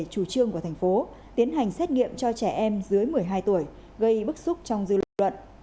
chủ trương của thành phố tiến hành xét nghiệm cho trẻ em dưới một mươi hai tuổi gây bức xúc trong dư luận